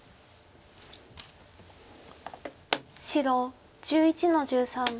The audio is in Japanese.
白１１の十三。